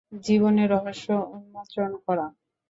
জীবনের রহস্য উন্মোচন করা!